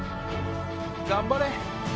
頑張れ！